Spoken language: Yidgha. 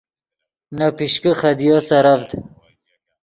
نے پیشکے خدیو سرڤد